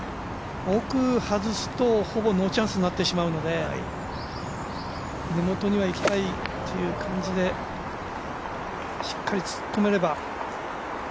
奥、外すと、ほぼノーチャンスになってしまうので根本にはいきたいという感じでしっかり突っ込めれば。